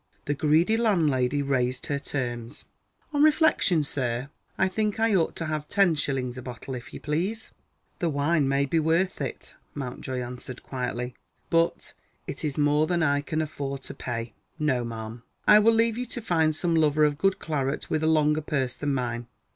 The greedy landlady raised her terms. "On reflection, sir, I think I ought to have ten shillings a bottle, if you please." "The wine may be worth it," Mountjoy answered quietly; "but it is more than I can afford to pay. No, ma'am; I will leave you to find some lover of good claret with a longer purse than mine."